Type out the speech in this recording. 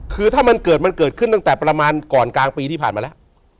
คือถ้ามันเกิดมันเกิดขึ้นตั้งแต่ประมาณก่อนกลางปีที่ผ่านมาแล้ว